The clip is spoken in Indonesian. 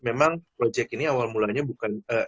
memang proyek ini awal mulanya bukan